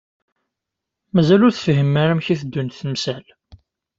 Mazal ur tefhimem ara amek i teddunt temsal?